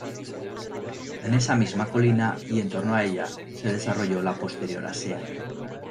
En esa misma colina y en torno a ella se desarrolló la posterior Asea.